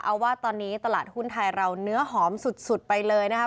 เอาว่าตอนนี้ตลาดหุ้นไทยเราเนื้อหอมสุดไปเลยนะครับ